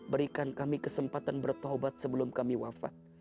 berikan kami kesempatan bertobat sebelum kami wafat